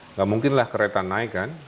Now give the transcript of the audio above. nggak mungkinlah kereta naik kan